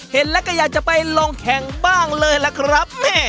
เห็นแล้วก็อยากจะไปลงแข่งบ้างเลยล่ะครับ